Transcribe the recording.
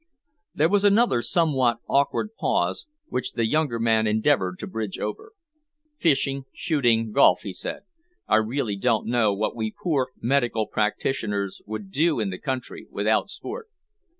There was another somewhat awkward pause, which the younger man endeavoured to bridge over. "Fishing, shooting, golf," he said; "I really don't know what we poor medical practitioners would do in the country without sport."